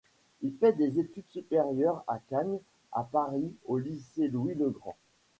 Il fait des études supérieures en khâgne à Paris au Lycée Louis-le-Grand.